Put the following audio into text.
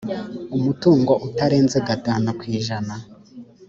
umutungo utarenze gatanu ku ijana